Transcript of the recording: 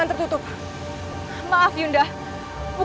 tapi aku berusaha untuk mengetahui